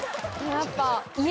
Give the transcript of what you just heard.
やっぱ。